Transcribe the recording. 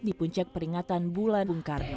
di puncak peringatan bulan bung karno